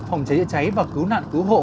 phòng cháy cháy và cứu nạn cứu hộ